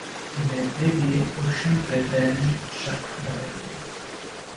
Elle est dédiée au chanteur belge Jacques Brel.